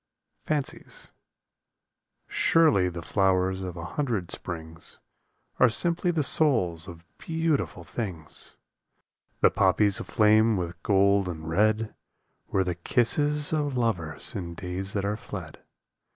108 FANCIES Surely the flowers of a hundred springs Are simply the souls of beautiful things ! The poppies aflame with gold and red Were the kisses of lovers in days that are fled.